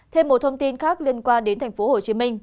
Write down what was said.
thêm một thông tin khác liên quan đến tp hcm